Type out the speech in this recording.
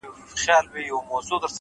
• زما په مرگ دي خوشالي زاهدان هيڅ نکوي،